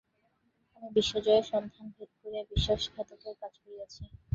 আমি বিজয়গড়ের সন্ধান ভেদ করিয়া বিশ্বাসঘাতকের কাজ করিয়াছি।